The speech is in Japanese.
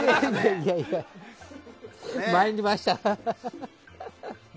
いやいやまいりましたね。